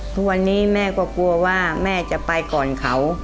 ทุกวันนี้แม่ก็กลัวว่าแม่จะไปก่อนเขา